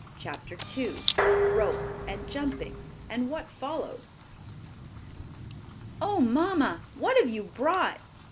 CHAPTER II ROPE JUMPING, AND WHAT FOLLOWED "Oh, mamma, what have you brought?"